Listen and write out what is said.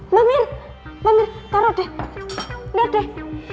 mbak mir mbak mir taro deh liat deh